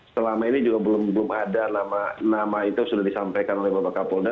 selama ini juga belum ada nama itu sudah disampaikan oleh bapak kapolda